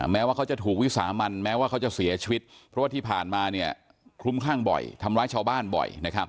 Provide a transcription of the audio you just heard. แม้ว่าเขาจะถูกวิสามันแม้ว่าเขาจะเสียชีวิตเพราะว่าที่ผ่านมาเนี่ยคลุ้มคลั่งบ่อยทำร้ายชาวบ้านบ่อย